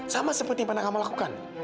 sama seperti yang pernah kamu lakukan